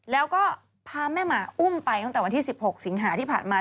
แล้วก็พาแม่หมาอุ้มไปตั้งแต่วันที่๑๖สิงหาที่ผ่านมา